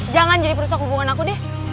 jangan jadi perusak hubungan aku deh